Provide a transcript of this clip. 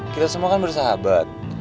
kita semua kan bersahabat